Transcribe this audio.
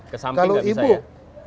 kesamping gak bisa ya